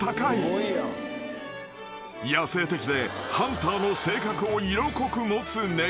［野性的でハンターの性格を色濃く持つ猫］